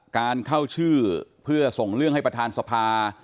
การเข้าชื่อเพื่อส่งเรื่องให้ประธานสภา